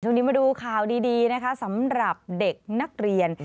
มาดูข่าวดีนะคะสำหรับเด็กนักเรียน